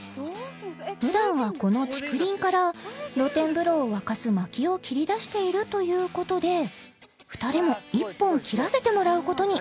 ［普段はこの竹林から露天風呂を沸かすまきを切り出しているということで２人も１本切らせてもらうことに］